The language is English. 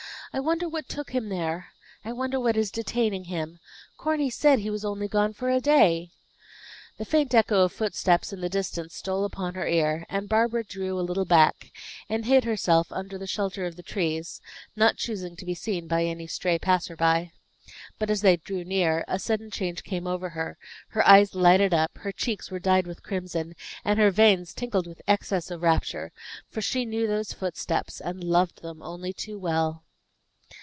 I wonder what took him there! I wonder what is detaining him! Corny said he was only gone for a day." The faint echo of footsteps in the distance stole upon her ear, and Barbara drew a little back, and hid herself under the shelter of the trees, not choosing to be seen by any stray passer by. But, as they drew near, a sudden change came over her; her eyes lighted up, her cheeks were dyed with crimson, and her veins tingled with excess of rapture for she knew those footsteps, and loved them, only too well.